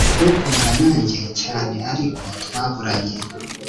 ukundwa nanjye cyane ariko twaraburanye